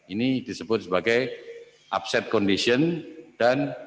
ini disebut sebagai upset condition dan